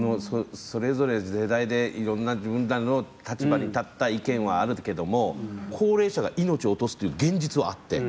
それぞれ世代でいろんな自分らの立場に立った意見はあるけども高齢者が命を落とすという現実はあって。